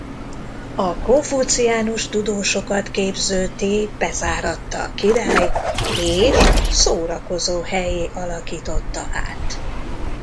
A konfuciánus tudósokat képző t bezáratta a király és szórakozóhellyé alakította át.